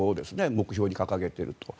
目標に掲げていると。